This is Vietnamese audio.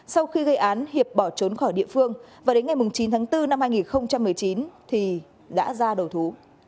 sau khi gây án hiệp bỏ trốn khỏi địa phương và đến ngày chín tháng bốn năm hai nghìn một mươi chín thì đã ra đầu thú